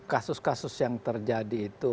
kasus kasus yang terjadi itu